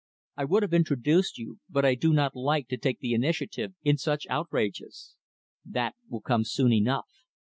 I would have introduced you, but I do not like to take the initiative in such outrages. That will come soon enough.